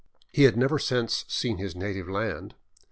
He had never since seen his native land.